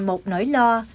một nỗi lo